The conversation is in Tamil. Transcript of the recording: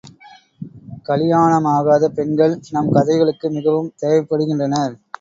கலியாணமாகாத பெண்கள் நம் கதைகளுக்கு மிகவும் தேவைப்படுகின்றனர்.